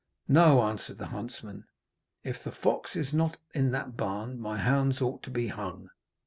'No,' answered the huntsman, 'if the fox is not in that barn, my hounds ought to be hung.'